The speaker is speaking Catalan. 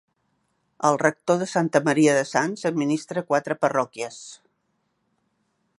El rector de Santa Maria de Sants administra quatre parròquies.